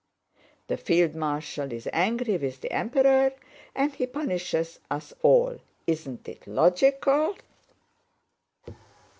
"The field marshal is angry with the Emperor and he punishes us all, isn't it logical?